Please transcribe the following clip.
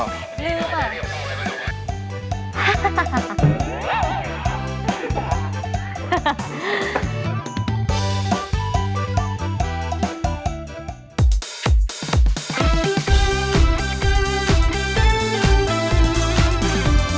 รู้ป่ะ